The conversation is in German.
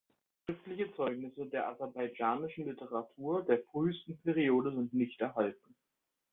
Schriftliche Zeugnisse der aserbaidschanischen Literatur der frühesten Periode sind nicht erhalten.